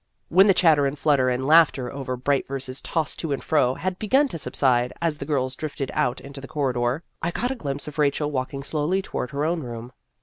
When the chatter and flutter and laughter over bright verses tossed to and fro had begun to subside, as the girls drifted out into the corridor, I caught a glimpse of Rachel walking slowly toward her own room.